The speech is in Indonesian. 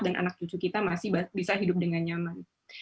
dan anak tusuk kita masih bisa hidup dengan nyaman